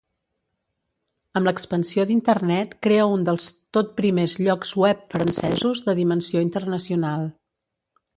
Amb l’expansió d’Internet crea un dels tot primers llocs web francesos de dimensió internacional.